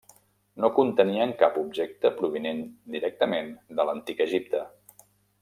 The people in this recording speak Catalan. No contenien cap objecte provinent directament de l'Antic Egipte.